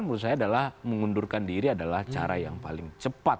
menurut saya adalah mengundurkan diri adalah cara yang paling cepat